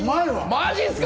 マジすか？！